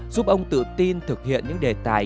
giúp ông tự tin thực hiện những đề tài